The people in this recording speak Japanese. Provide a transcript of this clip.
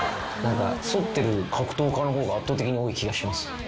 そってる格闘家の方が圧倒的に多い気がします。